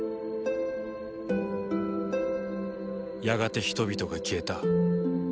やがて人々が消えた。